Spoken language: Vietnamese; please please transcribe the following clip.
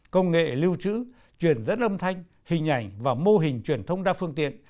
công nghệ lưu trữ truyền dẫn âm thanh hình ảnh và mô hình truyền thông đa phương tiện